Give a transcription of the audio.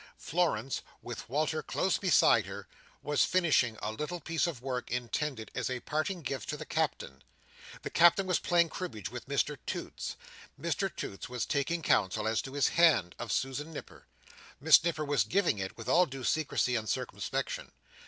Florence, with Walter close beside her, was finishing a little piece of work intended as a parting gift to the Captain. The Captain was playing cribbage with Mr Toots. Mr Toots was taking counsel as to his hand, of Susan Nipper. Miss Nipper was giving it, with all due secrecy and circumspection.